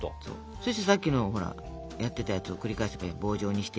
そしてさっきのほらやってたやつを繰り返せばいいの。